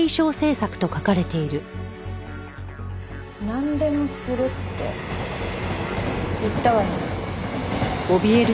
なんでもするって言ったわよね？